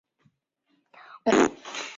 动画公司所属动画师兼董事。